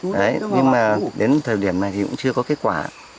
đấy nhưng mà đến thời điểm này thì cũng chưa có kết quả